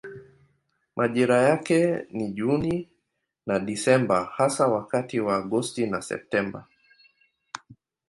Majira yake ni Juni na Desemba hasa wakati wa Agosti na Septemba.